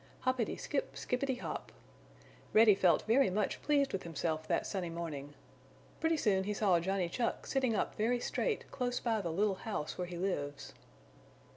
Hoppity, skip, skippity hop! Reddy felt very much pleased with himself that sunny morning. Pretty soon he saw Johnny Chuck sitting up very straight close by the little house where he lives.